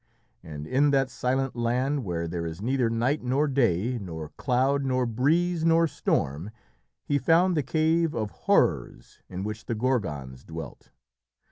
And in that silent land where there is "neither night nor day, nor cloud nor breeze nor storm," he found the cave of horrors in which the Gorgons dwelt.